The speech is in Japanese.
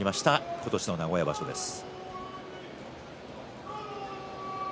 今年の名古屋場所です。